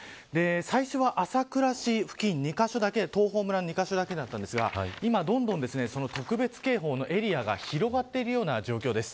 最初は朝倉市付近２カ所だけ東峰村２カ所だけだったんですが今どんどん特別警報のエリアが広がっている状況です。